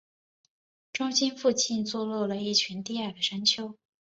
中心附近坐落了一群低矮的山丘。